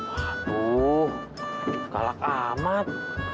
aduh galak amat